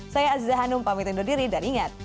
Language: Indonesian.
saya aziza hanum pamitkan diri dan ingat